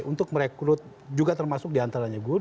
untuk merekrut juga termasuk diantaranya guru